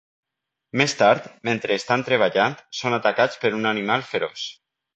Més tard, mentre estan treballant, són atacats per un animal feroç.